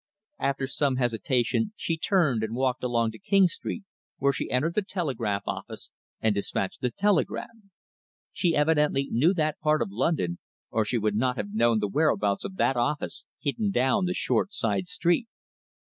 After some hesitation she turned and walked along to King Street, where she entered the telegraph office and dispatched a telegram. She evidently knew that part of London, or she would not have known the whereabouts of that office hidden down the short side street.